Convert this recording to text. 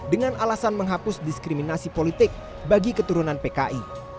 dengan alasan menghapus diskriminasi politik bagi keturunan pki